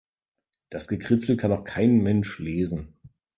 Das Gekritzel kann doch kein Mensch lesen.